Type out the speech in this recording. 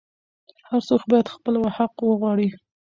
هر څوک باید خپل حق وغواړي.